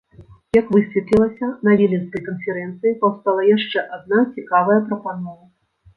Як высветлілася, на віленскай канферэнцыі паўстала яшчэ адна цікавая прапанова.